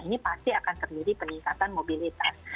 ini pasti akan terjadi peningkatan mobilitas